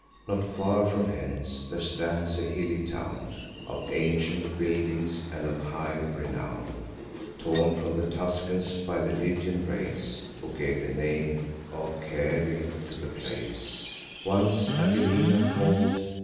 Not far from hence there stands a hilly town, Of ancient building, and of high renown, Torn from the Tuscans by the Lydian race, Who gave the name of Caere to the place, Once Agyllina call'd.